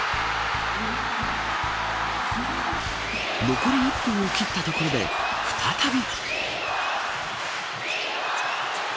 残り１分を切ったところで再び。